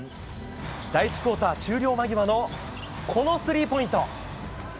第１クオーター終了間際のこのスリーポイント。